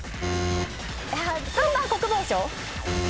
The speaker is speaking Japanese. ３番国防省？